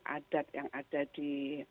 adat yang ada di